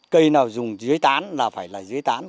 cây nào dùng dưới tán là phải dưới tán